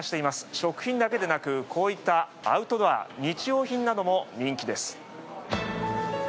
食品だけではなくこういったアウトドア日用品なども人気です。